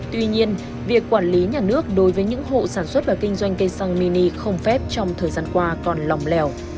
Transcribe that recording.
tuy nhiên việc quản lý nhà nước đối với những hộ sản xuất và kinh doanh cây xăng mini không phép trong thời gian qua còn lòng lèo